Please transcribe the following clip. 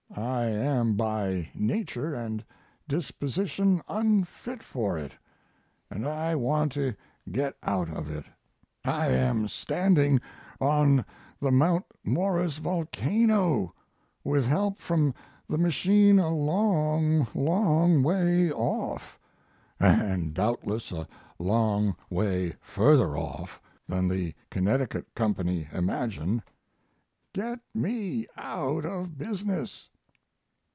I am by nature and disposition unfit for it, & I want to get out of it. I am standing on the Mount Morris volcano with help from the machine a long, long way off & doubtless a long way further off than the Connecticut company imagine. Get me out of business!